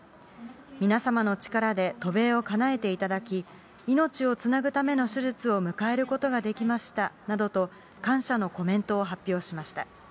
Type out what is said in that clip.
皆様の力で渡米をかなえていただき、命をつなぐための手術を迎えることができましたなどと、感謝のコメントを発表しました。